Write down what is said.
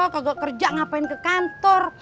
kagak kerja ngapain ke kantor